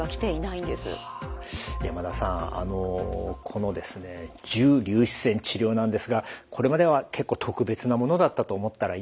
このですね重粒子線治療なんですがこれまでは結構特別なものだったと思ったらいいんでしょうか？